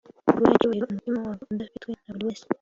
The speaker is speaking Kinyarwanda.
guha icyubahiro umutima wabo udafitwe na buri wese